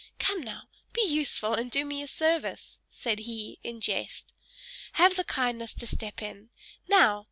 Come, now! Be useful, and do me a service," said he, in jest. "Have the kindness to step in. Now!